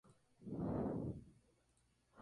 Se cría ganado bovino, caballar y porcino.